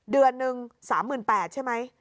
เดือนหนึ่ง๓๘๐๐ใช่ไหม